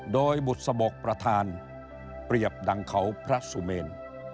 โดยบุษบกประธานเปรียบดังเขาพระสุเมน